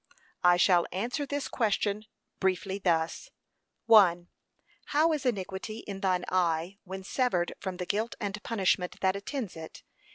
I shall answer this question briefly thus: (1.) How is iniquity in thine eye, when severed from the guilt and punishment that attends it?